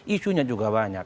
isunya juga banyak